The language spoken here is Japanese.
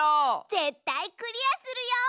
ぜったいクリアするよ！